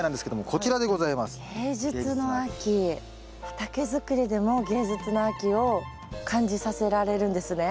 畑づくりでも芸術の秋を感じさせられるんですね。